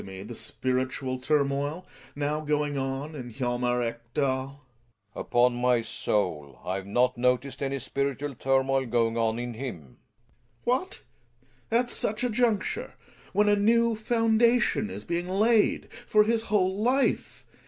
Can you explain to me the spiritual turmoil now going on in Hjalmar Ekdal ? Relling. Upon my soul I've not noticed any spiritual turmoil going on in him. Gregers. What ! At such a j tincture, when a new foundation is being laid for his whole life.